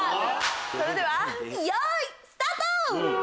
それではよいスタート！